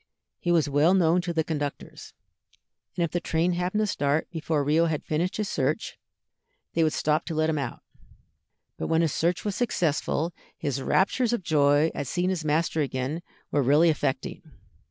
He was well known to the conductors, and if the train happened to start before Rio had finished his search, they would stop to let him get out. But when his search was successful, his raptures of joy at seeing his master again were really affecting.